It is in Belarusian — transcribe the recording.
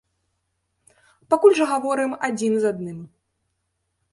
Пакуль жа гаворым адзін з адным.